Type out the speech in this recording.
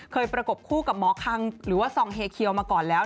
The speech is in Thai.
ประกบคู่กับหมอคังหรือว่าซองเฮเคียวมาก่อนแล้ว